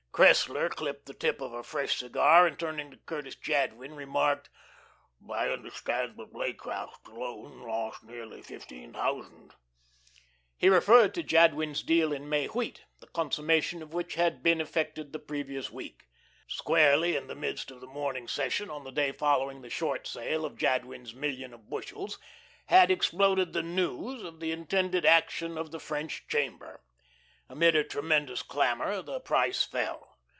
Cressler clipped the tip of a fresh cigar, and, turning to Curtis Jadwin, remarked: "I understand that Leaycraft alone lost nearly fifteen thousand." He referred to Jadwin's deal in May wheat, the consummation of which had been effected the previous week. Squarely in the midst of the morning session, on the day following the "short" sale of Jadwin's million of bushels, had exploded the news of the intended action of the French chamber. Amid a tremendous clamour the price fell.